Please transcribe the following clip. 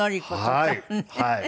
はい。